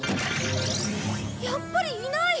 やっぱりいない！